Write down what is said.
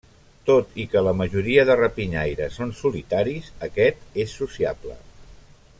Tot i que la majoria de rapinyaires són solitaris, aquest és sociable.